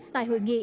tại hội nghị